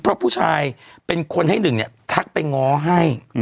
เพราะผู้ชายเป็นคนให้หนึ่งเนี่ยทักไปง้อให้